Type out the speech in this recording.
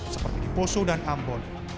seperti di poso dan ambon